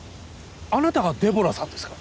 あなたがデボラさんですか？